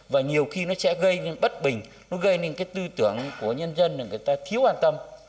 và nhiều khi nó sẽ gây nên bất bình nó gây nên cái tư tưởng của nhân dân là người ta thiếu an tâm